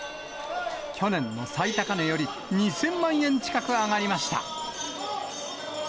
去年の最高値より２０００万円近く上がりました。